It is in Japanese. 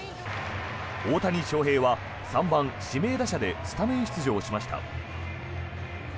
大谷翔平は３番指名打者でスタメン出場しました。